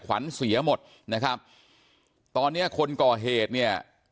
ขวัญเสียหมดนะครับตอนเนี้ยคนก่อเหตุเนี่ย